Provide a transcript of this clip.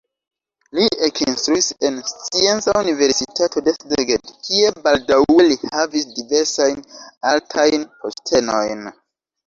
Li ekinstruis en Scienca Universitato de Szeged, kie baldaŭe li havis diversajn altajn postenojn.